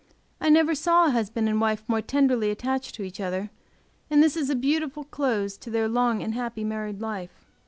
I never saw a husband and wife more tenderly attached to each other, and this is a beautiful close to their long and happy married life.